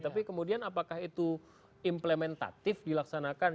tapi kemudian apakah itu implementatif dilaksanakan